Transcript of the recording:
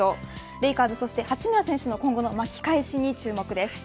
レイカーズそして八村選手の今後の巻き返しに注目です。